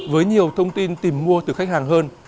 với nhiều thông tin tìm mua từ khách hàng hơn